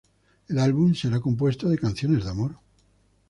El álbum será compuesto de canciones de amor.